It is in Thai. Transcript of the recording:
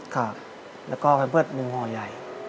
ครับแล้วก็เพื่อนมึงห่อใหญ่